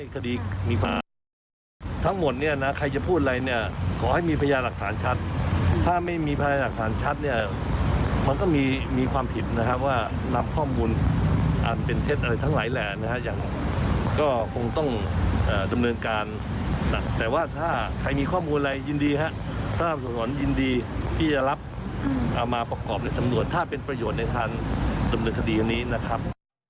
ก็ยินดีที่จะรับอามาประกอบในสำนวนถ้าเป็นประโยชน์ในการดำเนินคดีอย่างนี้นะครับ